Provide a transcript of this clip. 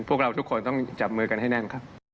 พวกเราทุกคนต้องจับมือกันให้แน่นครับ